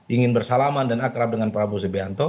ingin bersalaman dan akrab dengan prabowo subianto